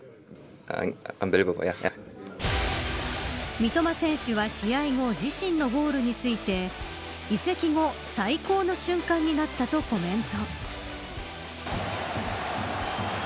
三笘選手は試合後自身のゴールについて移籍後最高の瞬間になったとコメント。